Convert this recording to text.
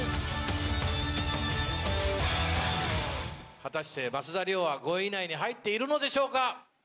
果たして増田吏桜は５位以内に入っているのでしょうか？